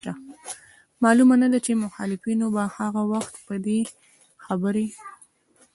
معلومه نه ده چي مخالفينو به هغه وخت په دې خبري